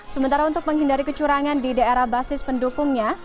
sementara untuk menghindari kecurangan di daerah basis pendukungnya